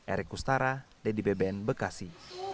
erik kustara ddbbn bekasi